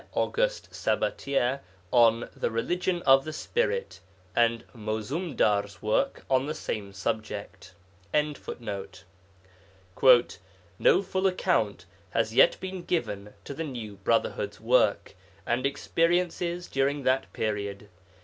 Auguste Sabatier on the Religion of the Spirit, and Mozoomdar's work on the same subject.] 'No full account has yet been given to the New Brotherhood's work and experiences during that period.